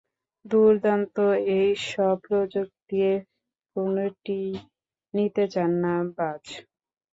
দুর্দান্ত এই সব প্রযুক্তির কোনটি নিতে চান না, বায?